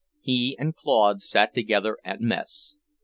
He and Claude sat together at mess.